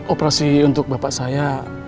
operasi untuk bapak saya